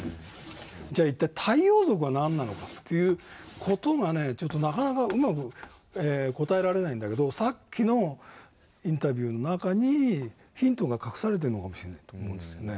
じゃ一体太陽族は何なのかという事がなかなかうまく答えられないんだけどさっきのインタビューの中にヒントが隠されてるのかもしれないと思うんですよね。